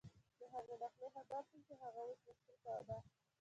د هغې له خولې خبر شوم چې هغه اوس مصروفه ده.